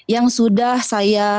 yang sudah saya